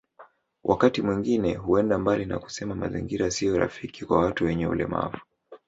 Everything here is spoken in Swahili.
Wakati mwingine huenda mbali kwa kusema mazingira sio rafiki kwa watu wenye ulemavu